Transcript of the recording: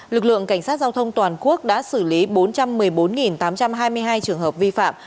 lực lượng cảnh sát giao thông toàn quốc đã xử lý bốn trăm một mươi bốn tám trăm hai mươi hai trường hợp vi phạm